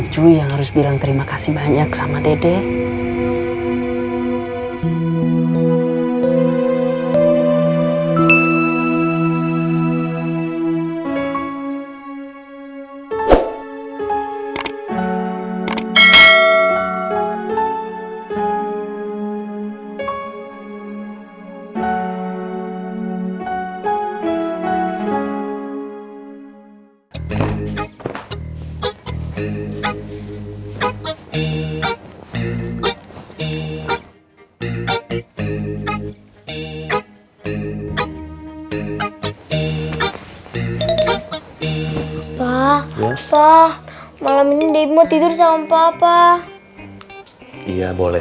cuy yang harus bilang terima kasih banyak sama dede